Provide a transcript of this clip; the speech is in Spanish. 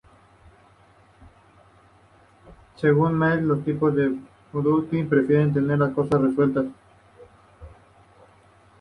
Según Myers, los tipos Judging prefieren tener "las cosas resueltas.